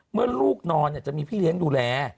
เมื่อลูกนอนจะมีพี่เลี้ยงดูแล